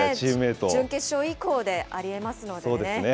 準決勝以降でありえますのでそうですね。